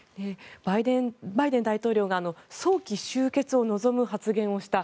バイデン大統領が早期終結を望む発言をした。